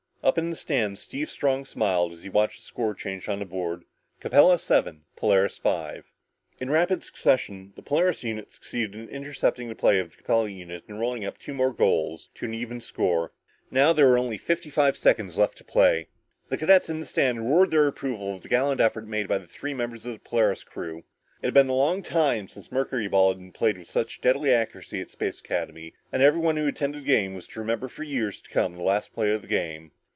Up in the stands, Steve Strong smiled as he watched the score change on the board: "Capella seven Polaris five!" In rapid succession, the Polaris unit succeeded in intercepting the play of the Capella unit and rolling up two goals to an even score. Now, there were only fifty five seconds left to play. The cadets in the stands roared their approval of the gallant effort made by the three members of the Polaris crew. It had been a long time since mercuryball had been played with such deadly accuracy at Space Academy and everyone who attended the game was to remember for years to come the last play of the game.